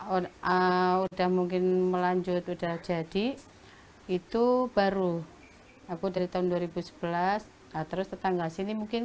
oh udah mungkin melanjut udah jadi itu baru aku dari tahun dua ribu sebelas terus tetangga sini mungkin